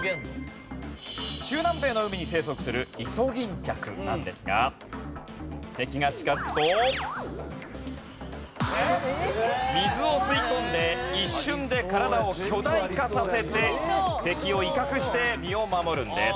中南米の海に生息するイソギンチャクなんですが敵が近づくと水を吸い込んで一瞬で体を巨大化させて敵を威嚇して身を守るんです。